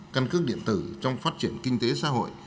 căn cước điện tử trong phát triển kinh tế xã hội